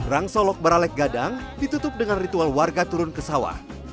rangsolog baraleg gadang ditutup dengan ritual warga turun ke sawah